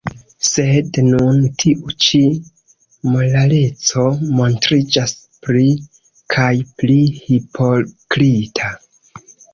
Sed nun tiu ĉi moraleco montriĝas pli kaj pli hipokrita.